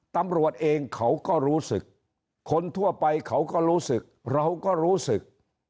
ตำรวจเองเขาก็รู้สึกคนทั่วไปเขาก็รู้สึกเราก็รู้สึก